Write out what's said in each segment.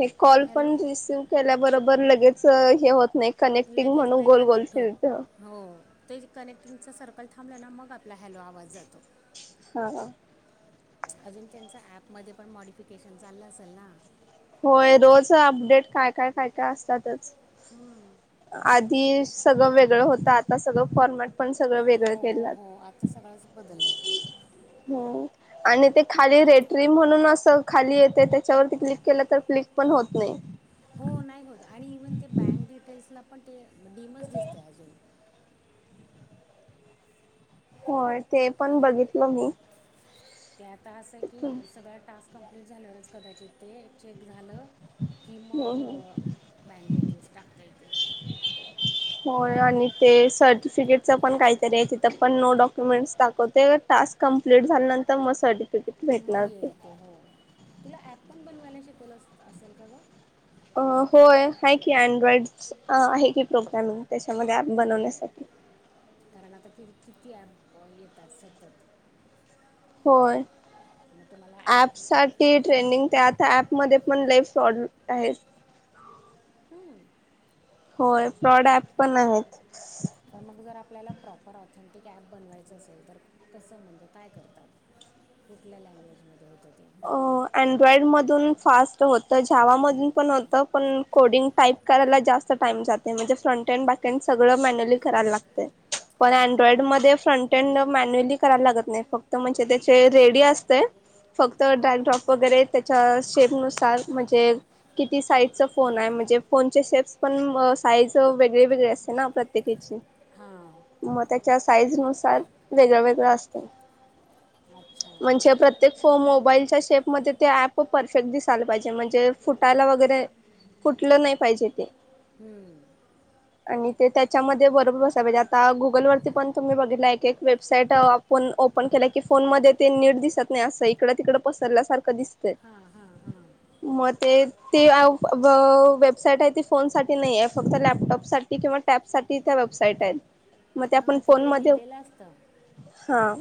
हे कॉल पण hello receive केल्याबरोबर लगेच हे होत नाही. कनेक्टिंग लगेच म्हणून नाही गोल-गोल कनेक्ट होत फिरतो. हित. हो ते कनेक्टिंगचं सर्कल थांबल्या ना मग आपला हॅलो आवाज जातो. हा. हा. अजून त्यांचा ऍप मध्ये पण मॉडिफिकेशन चाललं असेल ना. होय रोज अपडेट काय-काय-काय-काय असतातच. आधी सगळं वेगळं होतात. सगळ फॉनरमेट. पण सगळं हो वेगळं हो केलं हो आता सगळंच बदललं आहे हम्. आणि ते खाली रेटरी म्हणून असं खाली येते त्याच्यावरती क्लिक केलं. तर फ्लिक पण होत नाही. हो नाही होत आणि इव्हन ते बँक डिटेल्सला पण ते डीमच दिसते अजून होय ते पण बघितलं मी. ते आता असं की हम्म सगळ्या टास्क कंप्लीट झाल्यावरच कदाचित ते चेक झालं. कि मग हम्म बँकेेततील टाकता येतील. होय आणि ते सर्टिफिकेटचं पण काहीतरी आहे. तिथं पण नो डॉक्युमेंट्स दाखवते. टाक कमप्लीट झाल्या नंतर मग सर्टिफिकेट. मग येल ते हो तुला ॲप पण बनवायला शिकवलं असेल का ग. अ होय. आहे की अँड्रॉइड आहे की. प्रोग्रामिंग त्याच्यामध्ये अप बनवण्यासाठी. कारण आता किती ऍप येतात सतत. होय. मग तुम्हाला ॲप साठी ट्रेंडिंग साठी ते आता ॲप मध्ये पण. लईफ फ्रॉड आहे. हा [unintelligible] होय फ्रॉड ऍप पण आहेत. पण मग जर आपल्याला प्रॉपर ऑथेंटिक ॲप बनवायचं असेल तर कसं म्हणजे काय करतात. कुठल्या लँग्वेज मध्ये हो. अ अनड्रॉइड मधून फास्ट होत. जेवामधून. पणहोत पण कोडिंग टाईप. करायला जास्त टाइम जातो. म्हणजे फ्रंटँ अँड बॅकंड सगळं मॅन्युली करायला लागत. पण अनड्रॉइड मध्ये फ्रंटेड मॅन्युअली करायला लागत नाही फक्त म्हणजे त्याचे रेडी असते फक्त ड्रॉईंन ड्रॉप वगैरे त्याच्या शेपनुसार म्हणजे किती साईजचा फोन आहे म्हणजे फोनचे शेप्स पण साईज वेगळे-वेगळे असते ना प्रत्येक हेचि हां मग त्याच्या साईजनुसार वेगळं-वेगळं असतं. अच्छा म्हणजे प्रत्येक मोबाईलच्या शेपमध्येध्ये ते ऍप परफेक्ट दिसायला पाहिजे म्हणजे फुटायला वगैरे कुठलं नाही पाहिजे ते हम्म आणि ते त्याच्यामध्ये बरोबर बसाय पाहिजे आता गुगल वरती पण तुम्ही बघितला एक एक वेबसाईट आपण ओपन केल की फोन मध्ये ते नीट दिसत नाही अस इकड तिकड पसरल्यासारखं दिसतंय हां हां मग ते ते वेबसाईट आहे ती फोन साठी नाही आहे फक्त लॅपटॉप साठी किंवा टॅब साठी वेबसाईट आहेत मग ते हा तिकडे लिहिलेलं असतं हा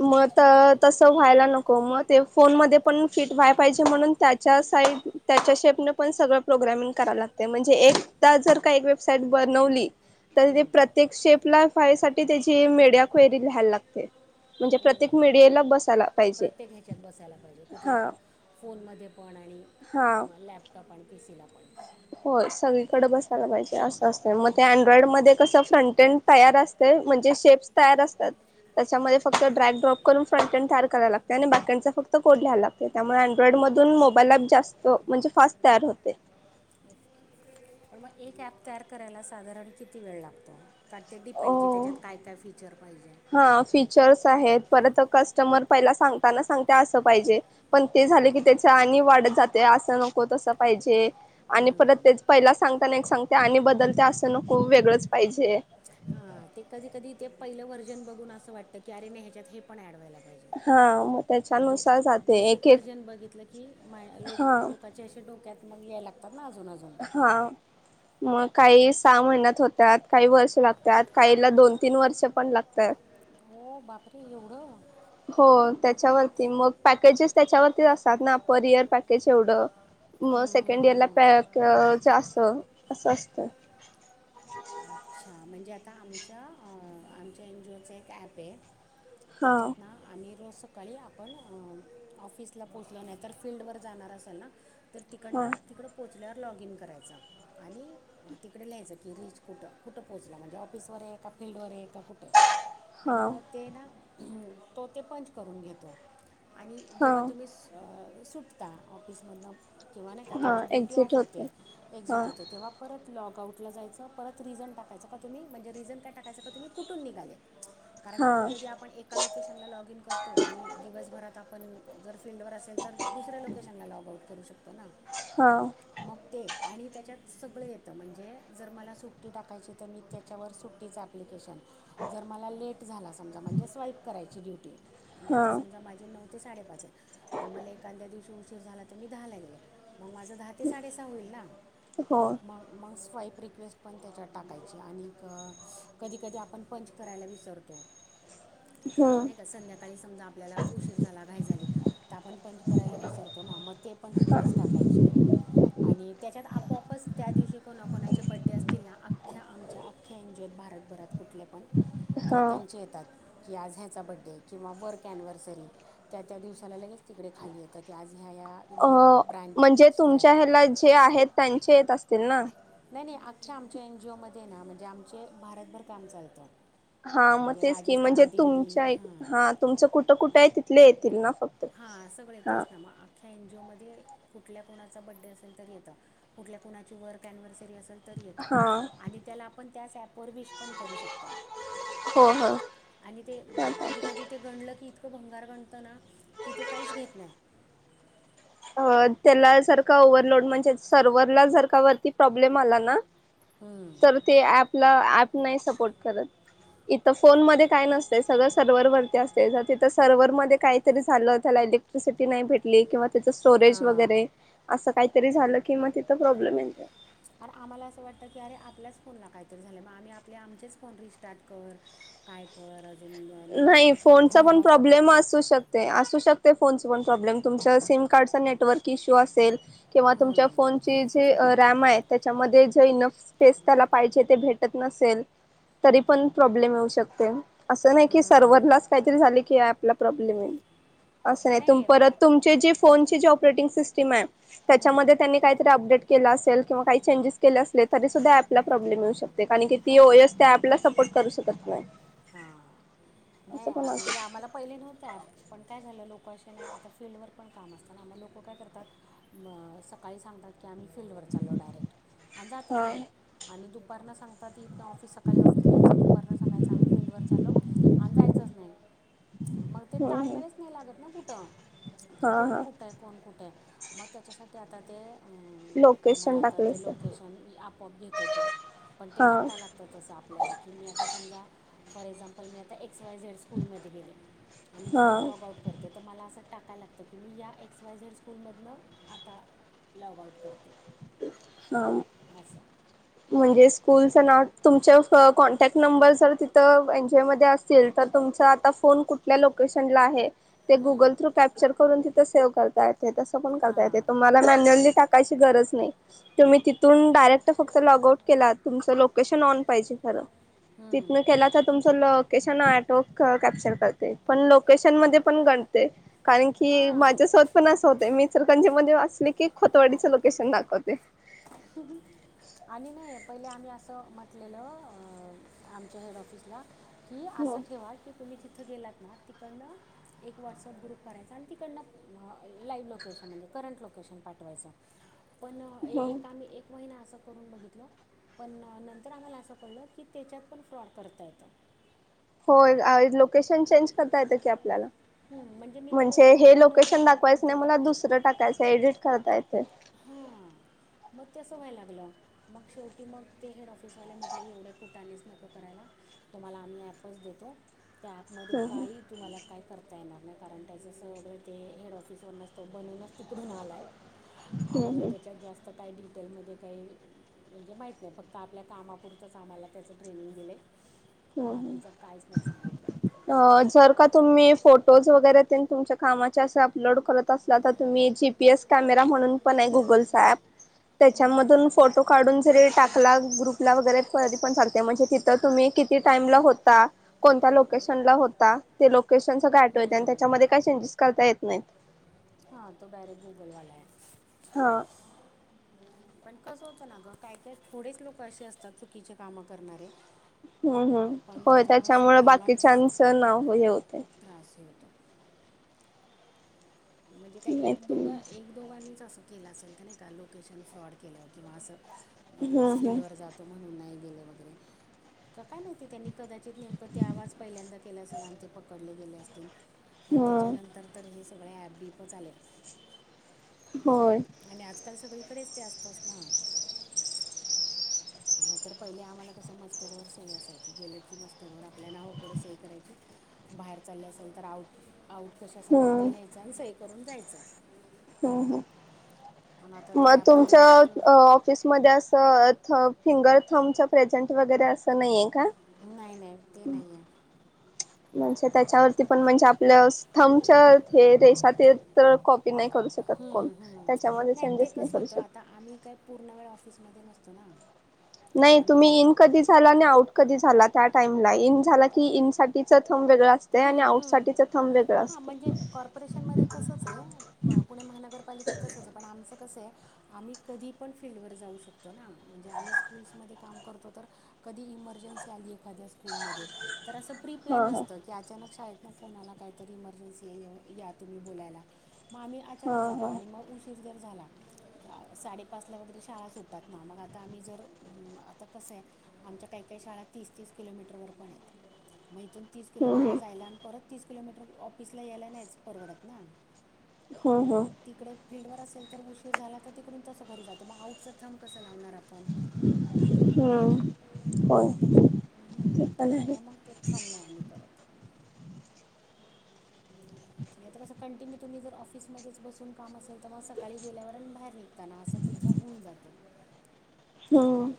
मत अच्छा तस व्हायला नको मग ते फोन मध्ये पण फिट व्हाय पाहिजे म्हणून त्याच्या साईड त्याच्या शेपने पण सगळ प्रोग्रामिंग कराव लागतेय म्हणजे एकदा जर का वेसाईट बनवली तर ते हं. प्रत्येक शेपलासाठी त्याची मीडिया क्युरी लिहायला लागते म्हणजे हो प्रत्येक मीडियाला बस प्रत्येक ह्याच्यात बसायला पाहिजे कुठल्या हा पण फोनमध्ये पण आणि हा मग लॅपटॉप आणि पीसी ला पण होय सगळीकडे बसायला पाहिजे असं असं मग ते अँड्रॉइड मध्ये कसं फ्रंटेंड तयार असते म्हणजे शेप्स तयार असतात त्याच्यामध्ये फक्त ड्रगड्रॉप करून फ्रंटड तयार कराय लागते आणि बॅकडचा फक्त कोड लिहायला लागतोय त्यामुळे अँड्रइड मधून मोबाईल जास्त म्हणजे फास्ट तयार होते पण मग एक ऍप तयार करायला साधारण किती वेळ लागतो कार ते अ डिपेंड की त्याच्यात काय काय फीचर पाहिजे हा फीचर्स आहेत परत कस्टमर पहिला सांगताना सांगतेय आस पाहिजे पण ते झालं की त्याचा आणि वाढ अस नको तस पाहिजे आणि परत ते पहिला सांगताना सांगते आणि बदल खूप वेगळंच पाहिजे हा ते कधी कधी ते पहिलं व्हर्जन बघून असं वाटतं की अरे न ह्याच्यात हे पण ऍडवा्हाय लागत हा मग म्हणजे त्याच्यानुसार जाते बेसिक एक एक व्हर्जन बघितलं की माय हा लोक लोकाचे असे डोक्यात मग याय लागतात ना अजून अजून हा मग काही सहा महिन्यात होत्यात काही वर्ष लागत्यात काहीला दोन तीन वर्ष पण लागत्यात हो बापरे एवढं हो त्याच्यावरती मग पॅकेजेस त्याच्यावरती अस ना पर इयर पॅकेज एवढं मग सेकंड इयर ला पॅकच अस असं असत अच्छा म्हणजे आता आमच्या आमच्या एन जीओचं एक ॲप आहे हां त्याच्यात ना आम्ही रोज सकाळी आपण ऑफिसला पोचल नाही तरर फिल््डवर जाणार असेल ना तर हां तिकडनं तिकडं पोचल्यावर लॉग इन करायचं आणि तिकडे लिहायचं की रीच कुठं कुठं पोचला म्हणजे ऑफिसवर आहे का फिल्डवर आहे का कुठे आहे आणि हां मग ते ना तो ते पंच करून घेतो आणि जेव्हा हां तुम्ही स सुटता ऑफिसमधन किंवा नाही का हां तुमची ड्युटी एक्झिट ऑफ होते हां एक्झिट होत तेव्हा परत लॉग आउटला जायचं परत रिझन टाकायचं का तुम्ही म्हणजे रिझन काय टाकायं का तुम्ही कुठून निघाले कारण कधी हां कधी आपण एका लोकेशनला लॉग इन करतो आणि दिवसभरात आपण जर फिल््डवर असेल तर दुसऱ्या लोकेशनला लॉगआउट करू शकतो ना हां मग ते आणि त्याच्यात सगळं येतं म्हणजे जर मला सुट्टी टाक कायची तर मी त्याच्यावर सुट्टीचं ॲप्लिकेशन जर मला लेट झाला समजा म्हणजे स्वाईप करायची ड्युटी म्हणजे आता हां समजा माझे न ते साडेपाच आहे पण मला एखाद्या दिवशी उशीर झाला तर मी दहा लागेले मग माझं दहा ते साडेसहा होईल ना हो मग मग स्वाईप रिक्वेस्ट पण त्याच्यात टाकायची आणि कधी कधी आपण पंच करायला विसरतो हां नाही का संध्याकाळी समजा आपल्याला उशीर झाला घाय झाली तर आपण पंच करायला विसरतो ना मग ते पण रिक्वेस्ट टाकायची आणि त्याच्यात आपोआपच त्या दिवशी कोणा कोणाचे बड्डे असतील ना आमच्या अख्ख्या एन जी आहेत भारतभरात कुठले पण तर हां त्यांचे येतात की आज ह्याच चा बड्डे किंवा वर्क ॲनिव्हर्सरी त्या त्या दिवसाला लगेच तिकडे खाली येतं की आज ह्या या अ म्हणजे ब्रँडसला आहे त ना नाही नाही अख्ख्या आमच्या एनजीओ मध्ये ना म्हणजे आमचे भारतभर काम चालतं हा मग म्हणजे तेच ककी म्हणजे राजस्थान दिल्ली तुमच्या हां हा तुमचं कुठं कुठं आहे तिथले येतील ना फक्त हा सगळ हा तेच ना मग अख्ख्या एन जीओ मध्ये कुठल्या कोणाचा बड्डे असेल तर येत कुठल्या कोणाची वर कॅनव्हस अस त येत हा आणि त्या आपण त्या पवर विश पण करू शकतो हो हो आणि ते कधी कधी ते गणलं की भंगार बणत ना कि ते काहीच घेत नाही अ त्याला जर का ओव्हरलोड म्हणजे सर्वर्हरला जर का वरती प्रॉब्लेम आला ना तर ते पला ऍप नाही सपोर्ट करत इथं फोनमध्ये काय नसत सगळं सर्व्हरवररती असते तिथं सर्व्हर मध्ये काहीतरी झालं त्या लेक्ट्रसटी नाही भेटली किं त्यािच स्टोरेज हां वगैरे असं काहीतरी झालं की मग तिथ प्रॉब्लेम य अर आम्हाला असं वाटतं की अरे आपल्याच फोनला काहीतरी झालं मग आम्ही आपले आमचेच फोन रिस्टार्ट कर काय पळ नाही फोनचा पण प्रॉब्लेम करतो असू शकते असू शकते ते फोन पण प्रॉब्लेम तुमच्या सिम कार्डचा नेटवर्क इश्यू असेल किंवा तुमच्या फोनची जी रॅम आहे त्याच्यामध्ये जे इनफ स्पेस त्याला पाहिजे ते भेट तरी पण प्रब्लेम येऊ शक अस नाही की सर्वरलाच काहीतरी झाले की आपला प्रॉब्लेम आहे असं नाही त परत तुमचे जी फोनची जे ऑपरेटिंग सिस्टीम आहे हं. त्याच्यामध्ये त्यांनी काहीतरी अपडेट केलं असेल किंवा काही चेंजेस केले असले तरी सुद्धा पला प्रॉब्लेम मिळऊ शकते कार की ती ओ एस ते आपला सपोर्ट करू शकत नाही असं पण नाही असू म्हणजे शकतं आम्हाला पहिले नव्हते पण काय झालं लोके नाही आता फीलल्डवर पण काम असतात आम लोक काय करतात सकाळी सांगतात की आम्ही फीलल्डवर चालो डायेक्ट आणि जातच हा नाही आणि दुपारन सांगत तीथ ऑफिस सकाळी ऑफिसला यायचं दुपारला सांगायचं आम्ही फील्डवर चालो आणि जायचंच नाही मग ते हम्म हम्म ताळमेळच नाही लागत ना कुठं कि हा कोण हा कुठे आहे कोण कुठे आहे मग त्याच्यासाठी आता ते आम्हाला लोकेशन आता ते टाकलंस तर लोकेशन आपआप घेत होतो पण ते हा टाकायला लागतं तसं आपल्याला की मी आता समजा फॉर एक्झाम्पल मी आता एक एक्स वाय झेड स्कूलमध्ये गेले आणि हा तिथून लॉगआउट करते तर मला असं टाकायला लागतं की मी या एक्स वायझेड स्कूलमधनं आता लॉगआउट करते हा असं म्हणजे स्कूलच नाव तुमच्या क कॉन्टॅक्ट नंबर जर तिथं एन जी ओमध्ये असतील तर तुमचा आता फोन कुठल्या लोकेशनला आहे ते गुगल थ्रू कॅप्चर करून तिथं सेव्ह करता येते तसं पण करता येते तुम्हाला मॅन्युअली टाकायची गरज नाही तुम्ही तिथून डायरेक्ट फक्त लॉग आउट केला तुमचं लोकेशन ऑन पाहिजे खरं तिितन केला तर तुम लोकेशन टो कॅप्चर करते पण लोकेशन मध्ये पण गडते कारण की हां माझ्यासोबत पण असं होत मी सरकंजी मध्ये वाचले की खोतवाडीचं लोकेशन लागत कते ह आणि नाही पहिले आम्ही असं म्हटलेलं आमच्या हेड ऑफिसला हि हो असं ठेवा की तुम्ही तिथ तिथं गेलात ना तिकडनं एक व्हॉट्सअप ग्रुप करायचा आणि तिकडनं लाईव्ह लोकेशन म्हणजे करंट लोकेशन पाठवायचं पण हो ए-एक एक महिना असं करून बघितलं पण नंतर आम्हाला असं कळलं की त्याच्यात पण फ्रॉड करता येतं. [inaudible] होय, लोकेशन चेंज करता येतं की आपल्याला. हं, मी त्या म्हणजे हे लोकेशनला न लोकेशन जाता पण दाखवायचं ते नाही मला टाकते दुसरं टाकायचं एडिट करता येत. हा. मग ते असं व्हाय लागलं मग शेवटी मग ते हेड ऑफिसवाले म्हटले एवढ्या कुठानेच नको करायला तुम्हाला आम्ही ऍपच देतो त्या ऍपमध्ये हम्म काही तुम्हाला काय करता येणार नाही कारण त्याचं सगळं ते हेड ऑफिसवरन बनवूनच तिकडून आलाय. हम्म हम्म आम्हाला त्याच्यात जास्त काय हॉटेलमध्ये काही म्हणजे माहीत नाही फक्त आपल्या कामापुरतंच आम्हाला त्याचं ट्रेनिंग दिलंय. हं हं.. आहे अ जर का तुम्ही फोट फोटोज वगैरे त्यां तुमच्या कामाचे असे अपलोड करत असला, तर तुम्ही जीपीएस कॅमेरा म्हणून पण आहे गुग त्योच अँप त्याच्यामधून फोटो काढून जरी टाकला ग्रुप ला वगैरे तरीपण चालतंय म्हणजे तिथ तुम्ही किती टाईम ला होता? कोणत्या लोकेशन होता? ते लोक केशण च आठवत नाहीत आणि त्याच्यामध्ये काही चेंजेस करता येत नाहीत. हा तो डायरेक्ट गूगलवाला आहे. हा पण कसं होतं ना गं, काय काय थोडेच लोकं असे असतात चुकीचे कामं करणारे. हम्म हम्म, पण होय त्याच्यामुळे सगळ्यांनाच बाकीच्यांच नाव हे होतंय. त्रास हे होतो म्हणजे काय एक माहित नाही. दोघं एक दोघांनीच असं केलं असेल का नाही, का लोकेशन फ्रॉड केलं किंवा असं अ हम्म हम्म फील्डवर जातो म्हणून नाही गेले वगैरे. का काय माहिती त्यांनी कदाचित नेमकं ते आवाज पहिल्यांदा केला असेल आणि ते पकडले गेले असतील. पण हम्म त्याच्यानंतर तर हे स डिपच आलंय, होय आणि आजकाल सगळीकडेच ते असतच ना. मग तर पहिले आम्हाला कसं मस्टरवर सही असायची, गेलं की मस्टरवर आपल्या नावा पुढं सही करायची, बा बाहेर चाललं असेल तर आऊट आऊट कशासाठी ते हम्म लिहायचं आणि सही करून जायचं. हो हो. पण आता ते मग ॲप तुमच्या आल्यामुळं तर अ ऑफिस मध्ये असं थ फिंगर थम्बचं प्रेझंट वगैरे असं नाहीेए का? नाही नाही ते नाही म्हणजे त्याच्यावरती पण म्हणजे आपल्या स थम्बच्या हे रेशा ते तळ कॉ हम्म हम्म, नाही ते चेंजेस कसं करू होतं आता शकत आम्ही काय पूर्ण वेळ ऑफिस मध्ये नसतो ना. नाही आम्ही तुम्ही इन कधी झाला आणि आऊट कधी झाला त्या टाईमला इन झाला की इन साठीचं थ असतंय आणि आउट साठीचं थम्ब वेगळं असतंय. ह म्हणजे कॉर्पोरेशनमध्ये तसंच आहे, म पुणे महानगरपालिकेत तसंच आहे, पण आमचं कसं आहे आम्ही कधी पण फील्डवर जाऊ शकतो ना, म्हणजे आम्ही स्कूल्समध्ये काम करतो तर कधी ही इम मर्जन्सी आली एखाद्या स्कूल मध्ये, तर असं प्री प्लॅन हा हा नसतं, की आ मग शाळेतनं फोन आला काहीतरी इमर्जन्सी आहे या तुम्ही बोलायला. मग आम्ही हा अचानक जातो हा आणि मग उशीर ज जर झाला, साडेपाच ला वगैरे शाळा सुटतात ना, मग आता आम्ही जर आता कसं आहे आमच्या काही काही शाळा तीस तीस किलोमीटर वर पण आहेत. मग इथून तीस किलोमीटर हम्म जायला आणि परत तीस किलोमीटर ऑफिसला यायला नाहीच परवडत ना. मग हम्म हम्म तिकडे फील्डवर असेल तर उशीर झाला तर तिकडून तसं घरी जातो, मग आउटचा थंब कसं लावणार आपण हम्म होय मग त्याच्या ते हम्म पण आहे त्याच्यामुळे मग ते थंब नाही आम्ही करत. नाय तर असं कंटिन्यू तुम्ही जर ऑफिसमध्येच बसून काम असेल तर मग सकाळी गेल्यावर अन बाहेर निघताना असं ती थंब होऊन जातं. हम्म.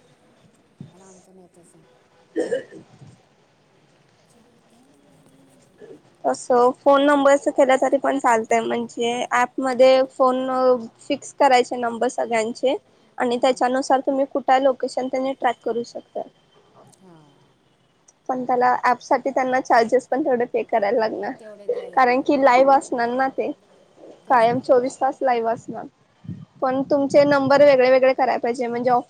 [unintelligible] [unintelligible] [unintelligible] तस फोन नंबर्स कसं घेण्यासाठी पण केलं तर चालतंय, म्हणजे थांब ऍप मध्ये फोन फिक्स करायचे नंबर सगळ्यांचे आणि त्यांच्या नुसार तुम्ही कुठ त्या लोकेशन त्यांनी ट्रॅक करू शकतात. हा. पण, त्यांना ऍप साठी त्यांना चार्जेस पण तेवढं पे करायला लागणार. तेवढे द्यायला कारण लागणार कि लाईव्ह हां असणार ना ते, तेच कायम ना चोवीस तास लाईवस असणारं. पण तुमचे नंबर वेगळे वेगळे कराय पाहिजे, म्हणजे ऑफिस